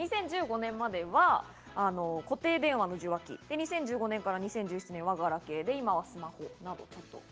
２０１５年までは固定電話の受話器、２０１５年から２０１７年はガラケーで今はスマホです。